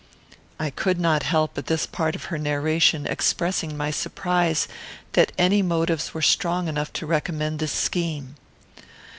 I could not help, at this part of her narration, expressing my surprise that any motives were strong enough to recommend this scheme.